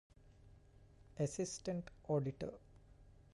އެސިސްޓެންްޓް އޮޑިޓަރ